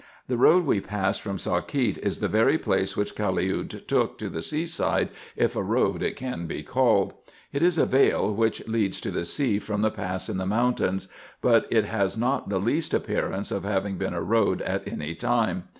The road we x x 338 RESEARCHES AND OPERATIONS passed from Sakiet is the very way which Caliud took to the sea side, if a road it can be called. It is a vale which leads to the sea from the pass in the mountains ; but it has not the least appearance of having been a road at any time.